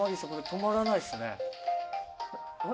止まらないですね。